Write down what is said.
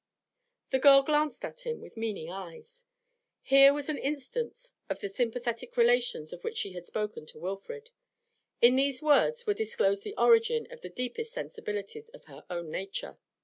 The girl glanced at him with meaning eyes. Here was an instance of the sympathetic relations of which she had spoken to Wilfrid; in these words was disclosed the origin of the deepest sensibilities of her own nature.